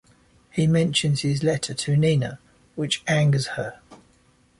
He mentions his letter to Nina, which angers her.